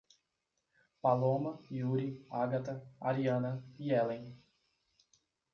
Paloma, Yuri, Ágata, Ariana e Hellen